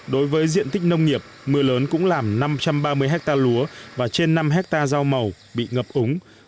đối với diện tích nông nghiệp mưa lớn cũng làm năm trăm ba mươi hectare lúa và trên năm hectare rau màu bị ngập úng